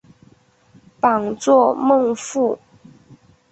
榜作孟富。